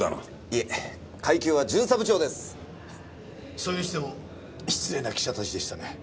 それにしても失礼な記者たちでしたね。